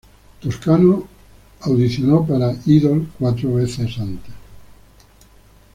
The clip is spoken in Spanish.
Toscano audicionó para "Idol" cuatro veces antes.